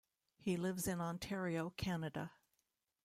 He lives in Ontario, Canada.